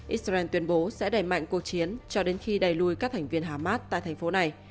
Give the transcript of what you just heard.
israel tuyên bố sẽ đẩy mạnh cuộc chiến cho đến khi đẩy lùi các thành viên hamas tại thành phố này